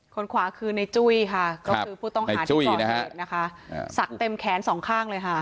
ขวาคือในจุ้ยค่ะก็คือผู้ต้องหาที่ก่อเหตุนะคะสักเต็มแขนสองข้างเลยค่ะ